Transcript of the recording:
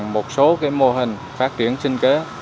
một số cái mô hình phát triển sinh kế